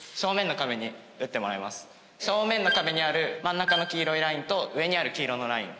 正面の壁にある真ん中の黄色いラインと上にある黄色のライン